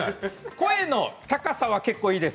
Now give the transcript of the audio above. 声の高さはいいです。